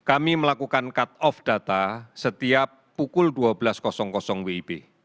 kami melakukan cut off data setiap pukul dua belas wib